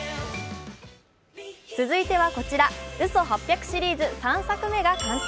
続いてはこちら、「嘘八百」シリーズ３作目が完成。